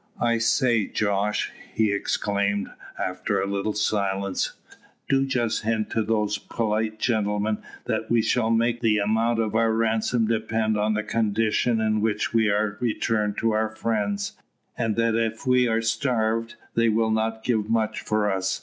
"I say, Jos," he exclaimed, after a little silence, "do just hint to these polite gentlemen, that we shall make the amount of our ransom depend on the condition in which we are returned to our friends, and that if we are starved, they will not give much for us.